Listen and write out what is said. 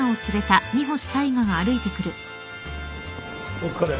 お疲れ。